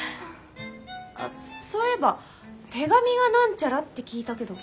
あっそういえば手紙がなんちゃらって聞いたけど。